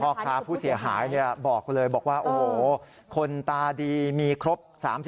พ่อค้าผู้เสียหายบอกเลยบอกว่าโอ้โหคนตาดีมีครบ๓๔